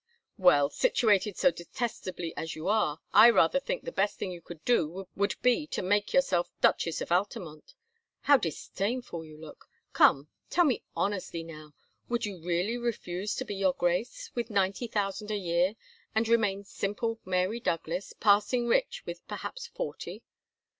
"Well, situated so detestably as you are, I rather think the best thing you could do would be to make yourself Duchess of Altamont. How disdainful you look! Come, tell me honestly now, would you really refuse to be Your Grace, with ninety thousand a year, and remain simple Mary Douglas, passing rich with perhaps forty?"